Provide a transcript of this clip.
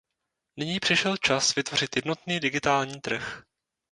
Nyní přišel čas vytvořit jednotný digitální trh.